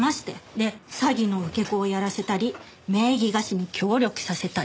で詐欺の受け子をやらせたり名義貸しに協力させたり。